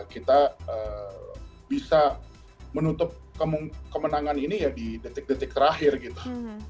kita bisa menutup kemenangan ini ya di detik detik terakhir gitu